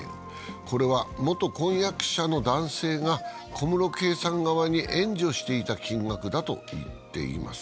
これは元婚約者の男性が小室圭さん側に援助していた金額だといっています。